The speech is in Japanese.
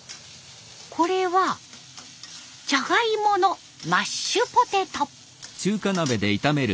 これはジャガイモのマッシュポテト。